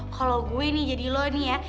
kalau gue nih jadi lo nih ya